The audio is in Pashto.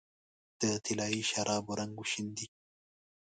د طلايي شرابو رنګ وشیندې